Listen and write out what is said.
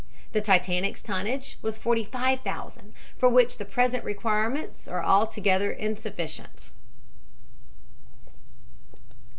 The Titanic's tonnage was 45,000, for which the present requirements are altogether insufficient.